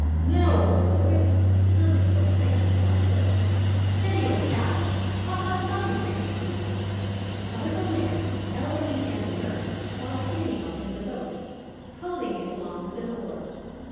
"Now, old boy!" somebody was saying from the boat. "Steady, old chap! I've got something for you." A little man, elderly and alert, was standing up in the boat, poling it along with an oar.